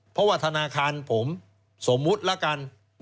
เพราะว่าธนาคารผมสมมุติละกัน